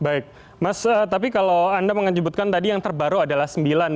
baik mas tapi kalau anda menyebutkan tadi yang terbaru adalah sembilan